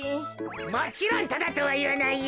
もちろんタダとはいわないよ。